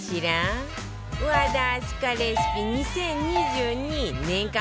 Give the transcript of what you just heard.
和田明日香レシピ２０２２年間